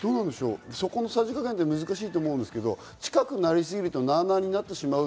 そこのさじ加減は難しいと思うんですけど、近くなりすぎると、なあなあになってきちゃう。